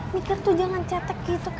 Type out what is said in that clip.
mikir tuh jangan cetek gitu